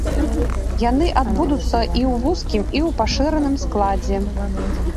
Яны адбудуцца і ў вузкім, і ў пашыраным складзе.